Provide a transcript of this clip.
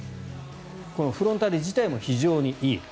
このフロンターレ自体も非常にいい。